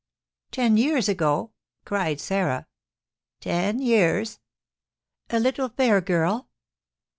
'" "Ten years ago?" cried Sarah. "Ten years." "A little fair girl?"